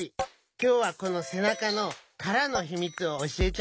きょうはこのせなかのからのひみつをおしえちゃうよ。